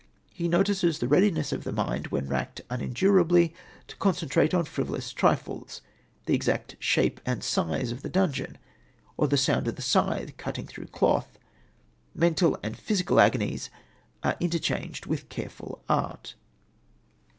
He notices the readiness of the mind, when racked unendurably, to concentrate on frivolous trifles the exact shape and size of the dungeon; or the sound of the scythe cutting through cloth. Mental and physical agonies are interchanged with careful art.